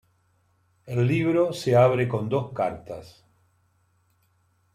El libro se abre con dos cartas.